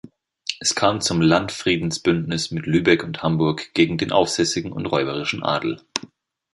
Es kam zum Landfriedensbündnis mit Lübeck und Hamburg gegen den aufsässigen und räuberischen Adel.